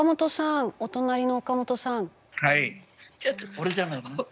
俺じゃないの？